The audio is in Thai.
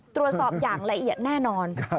ตรวจสอบอย่างละเอียดแน่นอน